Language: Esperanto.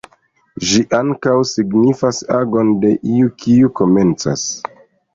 Ĝi ankaŭ signifas agon de iu, kiu komencas.